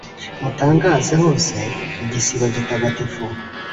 mutangaze hose igisibo gitagatifu,